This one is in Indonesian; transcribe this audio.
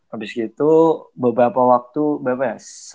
habis gitu beberapa waktu berapa ya